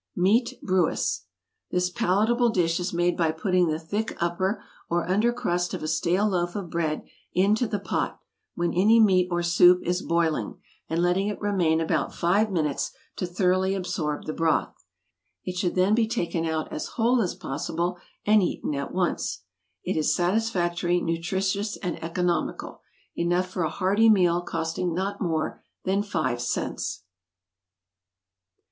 =Meat Brewis.= This palatable dish is made by putting the thick upper or under crust of a stale loaf of bread into the pot when any meat or soup is boiling, and letting it remain about five minutes to thoroughly absorb the broth; it should then be taken out as whole as possible, and eaten at once. It is satisfactory, nutritious and economical; enough for a hearty meal costing not more than five cents.